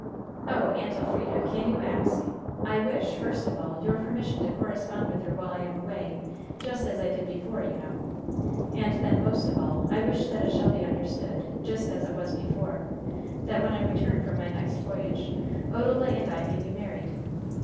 "Oh, Aunt Elfrida! Can you ask? I wish, first of all, your permission to correspond with her while I am away, just as I did before, you know! And then, most of all, I wish that it shall be understood just as it was before that when I return from my next voyage Odalite and I may be married.